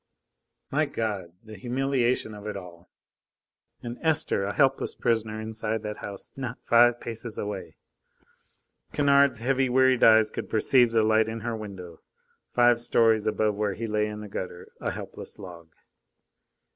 My God! the humiliation of it all. And Esther a helpless prisoner, inside that house not five paces away! Kennard's heavy, wearied eyes could perceive the light in her window, five stories above where he lay, in the gutter, a helpless log.